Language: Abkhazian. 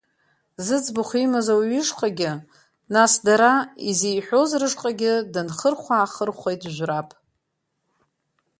Зыӡбахә имаз ауаҩ ишҟагьы, нас дара, изеиҳәоз рышҟагьы дынхырхәа-аахырхәеит Жәраб.